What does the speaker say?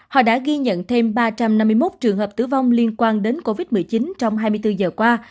họ đã ghi nhận thêm ba trăm năm mươi một trường hợp tử vong liên quan đến covid một mươi chín trong hai mươi bốn giờ qua